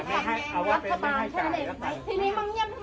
แต่ให้เหตุผลแล้วไงศาลากภัทร